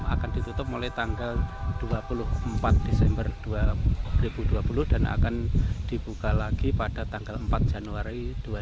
akan ditutup mulai tanggal dua puluh empat desember dua ribu dua puluh dan akan dibuka lagi pada tanggal empat januari dua ribu dua puluh